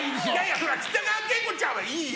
そりゃ北川景子ちゃんはいいよ。